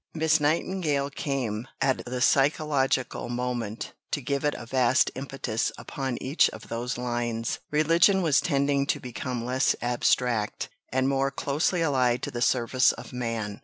Miss Nightingale came at the psychological moment to give it a vast impetus upon each of those lines. Religion was tending to become less abstract, and more closely allied to the service of man.